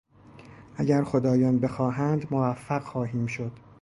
اگر خدایان بخواهند موفق خواهیم شد.